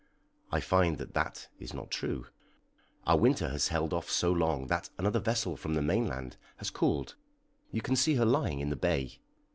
I find that that is not true. Our winter has held off so long that another vessel from the mainland has called you can see her lying in the bay.